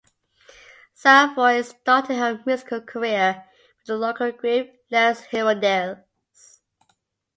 Savoie started her musical career with the local group Les Hirondelles.